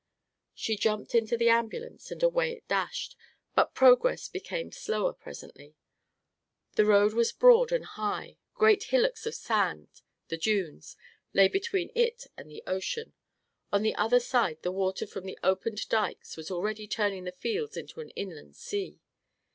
She jumped into the ambulance and away it dashed, but progress became slower presently. The road was broad and high; great hillocks of sand the Dunes lay between it and the ocean; on the other side the water from the opened dykes was already turning the fields into an inland sea.